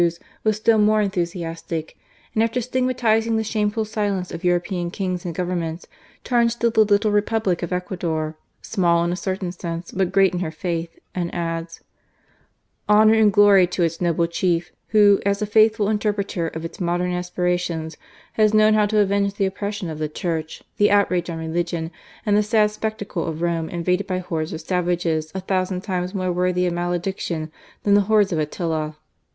was still more enthu itic ; and after stigmatizing the shameful silence • European Kings and Governments, turns to the le Republic of Ecuador, "small in a certain ;nse, but great in her faith," and adds: "Honour id glory to its noble Chief, who, as a faithftil erpreter of its popular aspirations, has known w to aven{;e the oppression of the Church, the trage on religion, and the sad spectacle of Rome vaded by hordes of savages a thousand times re worthy of malediction than the hordes of ,iila."